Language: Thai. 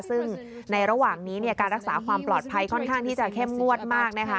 ซึ่งในระหว่างนี้เนี่ยการรักษาความปลอดภัยค่อนข้างที่จะเข้มงวดมากนะคะ